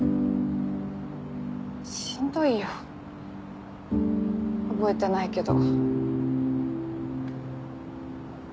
しんどいよ覚えてないけど。